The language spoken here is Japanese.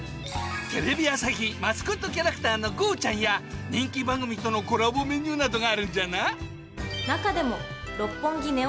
テレビ朝日マスコットキャラクターの「ゴーちゃん。」や人気番組とのコラボメニューなどがあるんじゃな。